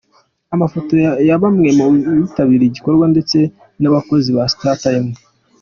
Amafoto ya bamwe mu bitabiriye igikorwa ndetse n’abakozi ba startimes.